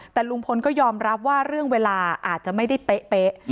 แต่ลุงพลก็ยอมรับว่าเรื่องเวลาอาจจะไม่ได้เป๊ะ